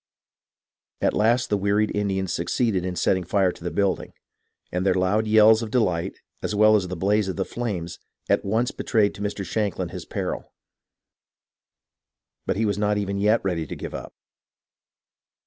At last the wearied Indians succeeded in setting fire to the building ; and their loud yells of delight, as well as the blaze of the flames, at once betrayed to Mr. Shankland his peril. But he was not even yet ready to give up.